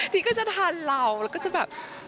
ก็จะทานเราแล้วก็จะแบบ